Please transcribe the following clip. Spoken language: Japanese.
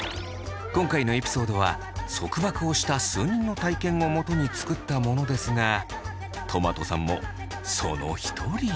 今回のエピソードは束縛をした数人の体験をもとに作ったものですがとまとさんもその一人。